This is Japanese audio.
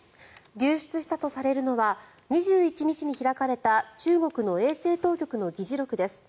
流出したとされるのは２１日に開かれた中国の衛生当局の議事録です。